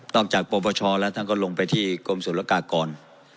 ต้องจากประวัติศาสตร์แล้วท่านก็ลงไปที่กรมสุรากร